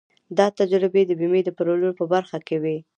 دا تجربې د بيمې د پلورلو په برخه کې وې.